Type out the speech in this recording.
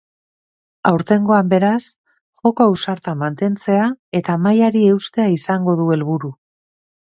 Aurtengoan, beraz, joko ausarta mantentzea eta mailari eustea izango du helburu.